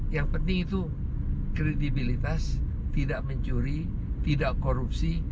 yang penting itu kredibilitas tidak mencuri tidak korupsi